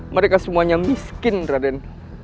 mereka semuanya miskin raden